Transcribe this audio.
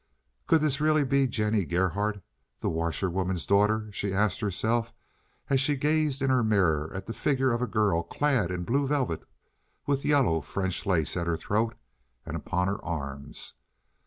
Could this be really Jennie Gerhardt, the washerwoman's daughter, she asked herself, as she gazed in her mirror at the figure of a girl clad in blue velvet, with yellow French lace at her throat and upon her arms?